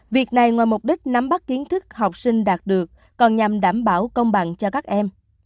việc này ngoài mục đích nắm bắt kiến thức học sinh đạt được còn nhằm đảm bảo công bằng cho các em